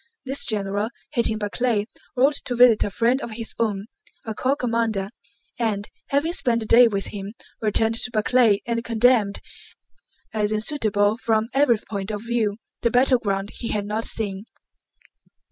This general, hating Barclay, rode to visit a friend of his own, a corps commander, and, having spent the day with him, returned to Barclay and condemned, as unsuitable from every point of view, the battleground he had not seen.